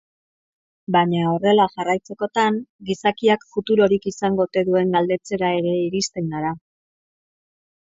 Baina horrela jarraitzekotan gizakiak futurorik izango ote duen galdetzera ere iristen gara.